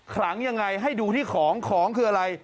ลังยังไงให้ดูที่ของของคืออะไร